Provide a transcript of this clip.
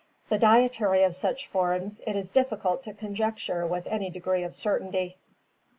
The dietary of such forms it is difficult to conjecture with any degree of certainty.